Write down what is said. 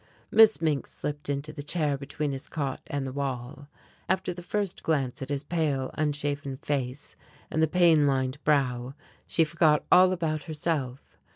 Miss Mink slipped into the chair between his cot and the wall. After the first glance at his pale unshaven face and the pain lined brow, she forgot all about herself.